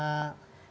selamat malam anak